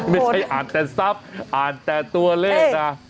ไม่ใช่อ่านแต่ทรัพย์อ่านแต่ตัวเลขนะ